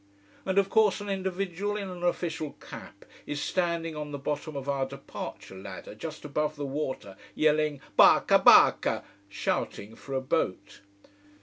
And of course an individual in an official cap is standing on the bottom of our departure ladder just above the water, yelling Barca! Barca! shouting for a boat.